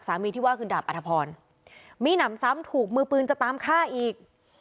ที่ว่าคือดาบอัธพรมีหนำซ้ำถูกมือปืนจะตามฆ่าอีก